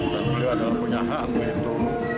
dan beliau adalah punya hak begitu